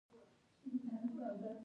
ظلم د پاچاهۍ څه دی؟